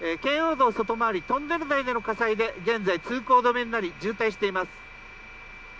道外回りトンネル内での火災で現在、通行止めになり渋滞しています。